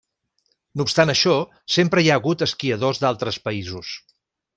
No obstant això, sempre hi ha hagut esquiadors d'altres països.